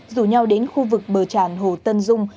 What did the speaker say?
rủ nhau đến khu vực bờ tràn hồ tân dung